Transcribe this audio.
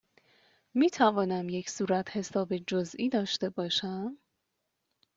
می توانم یک صورتحساب جزئی داشته باشم؟